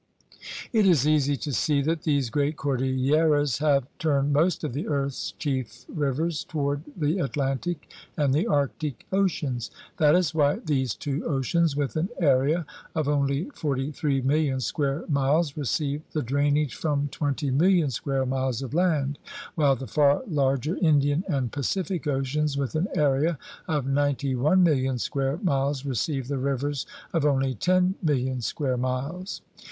It is easy to see that these great cordilleras have turned most of the earth's chief rivers toward the Atlantic and the Arctic Oceans. That is why these two oceans with an area of only forty three million square miles receive the drainage from twenty million square miles of land, while the far larger Indian and Pacific Oceans with an area of ninety one million square miles receive the rivers of only ten million square miles.